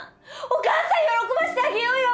お母さん喜ばせてあげようよ！